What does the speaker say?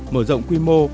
mở rộng quy mô